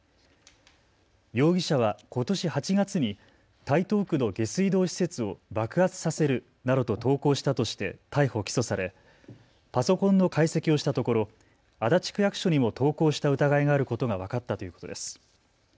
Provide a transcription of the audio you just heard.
容疑者はことし８月に台東区の下水道施設を爆発させるなどと投稿したとして逮捕・起訴されパソコンの解析をしたところ足立区役所にも投稿した疑いがあることが分かったということです。